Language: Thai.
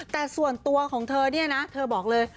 แต่ส่วนตัวของเธอเนี่ยนะเธอบอกเลย